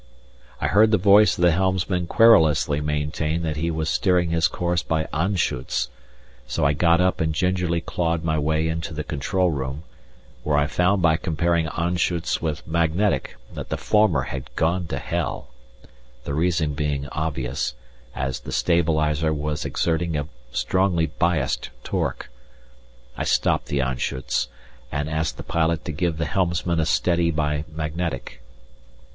] I heard the voice of the helmsman querulously maintain that he was steering his course by Anschutz, so I got up and gingerly clawed my way into the control room, where I found by comparing Anschutz with magnetic that the former had gone to hell, the reason being obvious, as the stabilizer was exerting a strongly biased torque. I stopped the Anschutz and asked the pilot to give the helmsman a steady by magnetic.